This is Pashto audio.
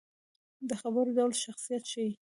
د خبرو ډول شخصیت ښيي